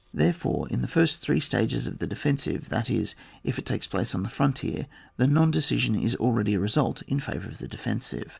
Therefore in the first three stag^ oi the defensive, that is, if it takes place on the frontier, the non dedsian is already ^ a result in favour of the defensive.